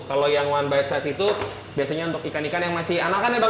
kalau yang one bite size itu biasanya untuk ikan ikan yang masih anakan ya bang